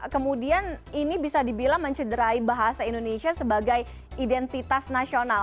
kemudian ini bisa dibilang mencederai bahasa indonesia sebagai identitas nasional